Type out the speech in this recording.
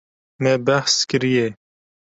Me behs kiriye.